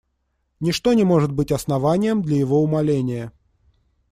Ничто не может быть основанием для его умаления.